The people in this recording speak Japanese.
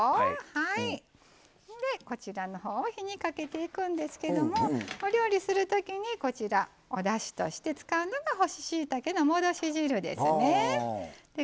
こちらのほうを火にかけていくんですけどもお料理でおだしとして使うのが干ししいたけの戻し汁ですね。